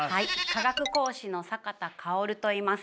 化学講師の坂田薫といいます。